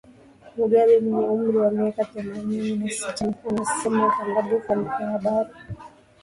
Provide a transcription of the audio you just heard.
mugabe mwenye umri wa miaka themanini na sita anasema aghalabu vyombo vya habari